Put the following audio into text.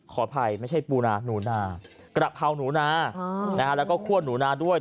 ขออภัยไม่ใช่ปูนาหนูนากระเพราหนูนาแล้วก็คั่วหนูนาด้วย